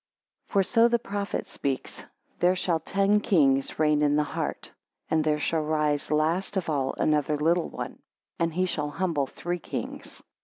5 For so the prophet speaks; There shall ten kings reign in the heart, and there shall rise last of all another little one, and he shall humble three kings.